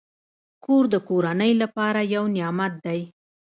کور د کورنۍ لپاره یو نعمت دی.